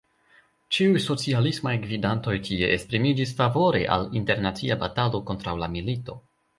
Ĉiuj socialismaj gvidantoj tie esprimiĝis favore al internacia batalo kontraŭ la milito.